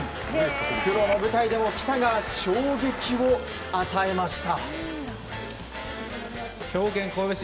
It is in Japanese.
プロの舞台でも来田が衝撃を与えました。